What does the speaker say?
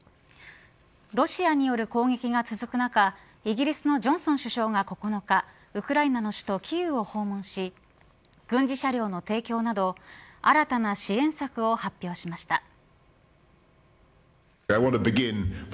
ロシアによる攻撃が続く中イギリスのジョンソン首相が９日ウクライナの首都キーウを訪問し軍事車両の提供など新たな支援策を発表しました。